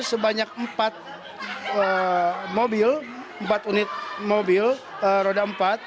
sebanyak empat mobil empat unit mobil roda empat